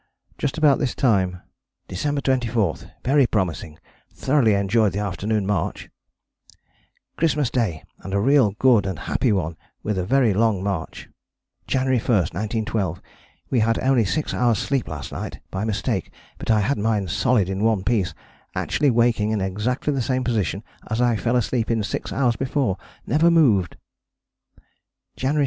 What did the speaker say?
Just about this time: "December 24. Very promising, thoroughly enjoyed the afternoon march": "Christmas Day, and a real good and happy one with a very long march": "January 1, 1912. We had only 6 hours' sleep last night by a mistake, but I had mine solid in one piece, actually waking in exactly the same position as I fell asleep in 6 hours before never moved": "January 2.